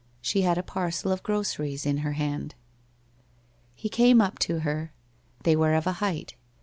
She had a parcel of groceries in her hand. He came up to her. They were of a height.